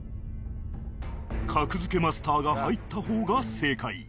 格付けマスターが入った方が正解